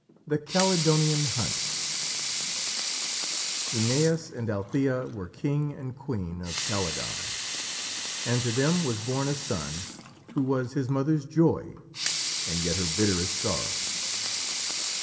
THE CALYDONIAN HUNT Œneus and Althæa were king and queen of Calydon, and to them was born a son who was his mother's joy and yet her bitterest sorrow.